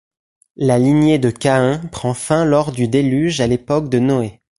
La lignée de Caïn prend fin lors du Déluge à l'époque de Noé.